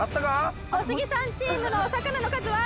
小杉さんチームのお魚の数は